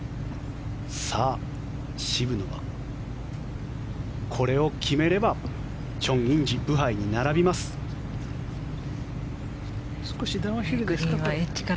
さあ、渋野はこれを決めればチョン・インジ、ブハイに少しダウンヒルですか。